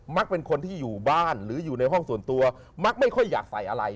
เป็นคนที่อยู่บ้านหรืออยู่ในห้องส่วนตัวมักไม่ค่อยอยากใส่อะไร